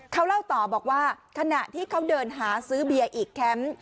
เขาเล่าต่อบอกว่าขณะที่เขาเดินหาซื้อเบียร์อีกแคมป์